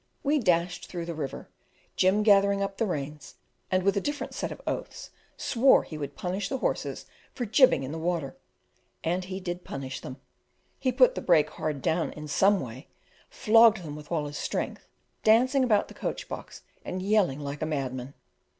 We dashed through the river; Jim gathered up the reins, and with a different set of oaths swore he would punish the horses for jibbing in the water. And he did punish them; he put the break hard down for some way, flogged them with all his strength, dancing about the coach box and yelling like a madman.